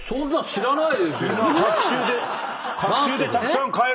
知らない。